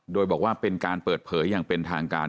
โดยบอกว่าเป็นการเปิดเผยอย่างเป็นทางการ